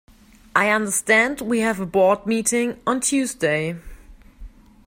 I understand we have a board meeting on Tuesday